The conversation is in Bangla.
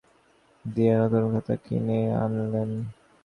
সন্ধ্যাবেলা সব কাগজপত্র ফেলে দিয়ে নতুন খাতা কিনে আনলেন।